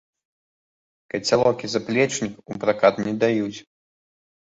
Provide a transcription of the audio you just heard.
Кацялок і заплечнік у пракат не даюць.